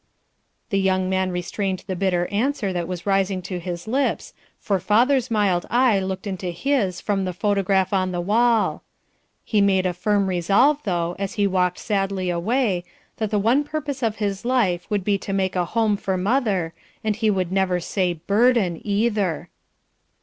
The young man restrained the bitter answer that was rising to his lips, for father's mild eye looked into his from the photograph on the wall. He made a firm resolve, though, as he walked sadly away, that the one purpose of his life should be to make a home for mother, and he would never say "burden," either.